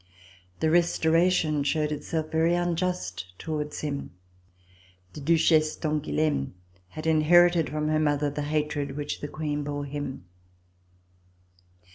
The Restoration showed itself very unjust towards him. The Duchesse d'Angouleme had in herited from her mother the hatred which the Queen bore him.